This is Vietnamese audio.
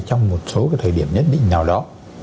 trong một số thời điểm nhất định nào đó